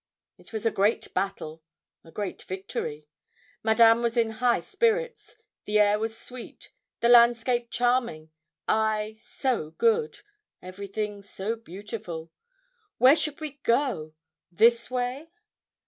It was a great battle a great victory. Madame was in high spirits. The air was sweet the landscape charming I, so good everything so beautiful! Where should we go? this way?